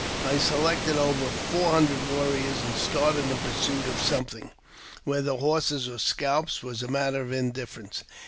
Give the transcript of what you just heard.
I selected over four hundred warriors, and started in pursuit of something — whether horses or scalps was a matter of indifference.